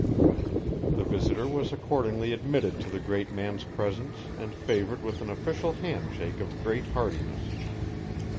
The visitor was accordingly admitted to the great man's presence and favoured with an official handshake of great heartiness.